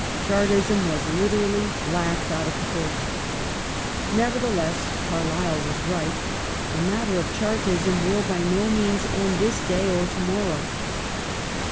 Chartism was literally laughed out of court. Nevertheless, Carlyle was right :" The matter of Chartism will by no means end this day or to morrow